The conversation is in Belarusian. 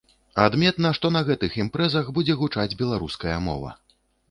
Адметна, што на гэтых імпрэзах будзе гучаць беларуская мова.